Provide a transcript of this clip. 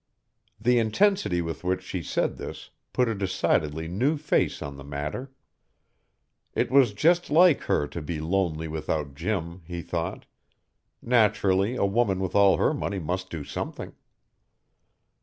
The intensity with which she said this put a decidedly new face on the matter. It was just like her to be lonely without Jim, he thought. Naturally a woman with all her money must do something.